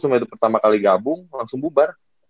sumpah itu pertama kali gabung langsung bubar